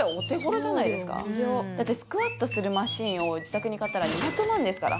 だってスクワットするマシンを自宅に買ったら２００万ですから。